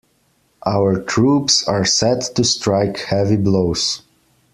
Our troops are set to strike heavy blows.